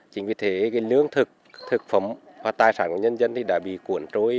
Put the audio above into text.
chính vì thế cái lương thực thực phẩm và tài sản của nhân dân thì đã bị cuộn trôi